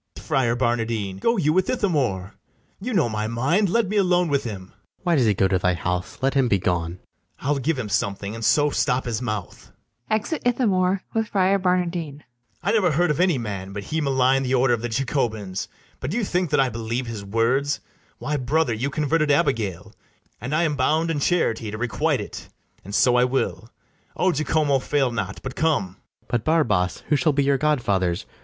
Friar Barnardine, go you with Ithamore: You know my mind; let me alone with him. FRIAR JACOMO. Why does he go to thy house? let him be gone. BARABAS. I'll give him something, and so stop his mouth. [Exit ITHAMORE with Friar BARNARDINE.] I never heard of any man but he Malign'd the order of the Jacobins: But do you think that I believe his words? Why, brother, you converted Abigail; And I am bound in charity to requite it, And so I will. O Jacomo, fail not, but come. FRIAR JACOMO. But, Barabas, who shall be your godfathers?